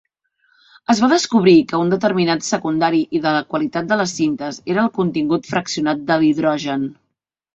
Es va descobrir que un determinant secundari de la qualitat de les cintes era el contingut fraccionat de l"hidrogen.